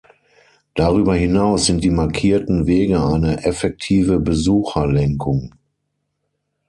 Darüber hinaus sind die markierten Wege eine effektive Besucherlenkung.